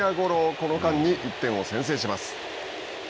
この間に１点を先制します。